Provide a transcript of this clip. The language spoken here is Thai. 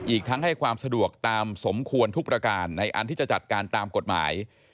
อีกทั้งให้ความสะดวกตามสมควรทุกประการในอันที่จะจัดการตามกฎหมาย